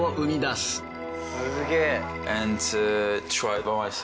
すげえ。